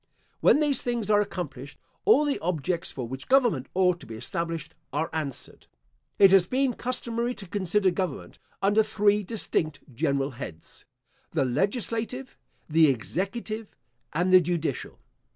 When these things are accomplished, all the objects for which government ought to be established are answered. It has been customary to consider government under three distinct general heads. The legislative, the executive, and the judicial.